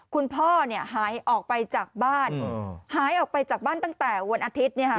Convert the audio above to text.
คุณพ่อหายออกไปจากบ้านหายออกไปจากบ้านตั้งแต่วันอาทิตย์